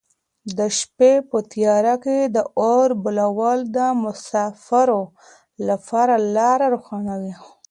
د شپې په تیاره کې د اور بلول د مساپرو لپاره لاره روښانوي.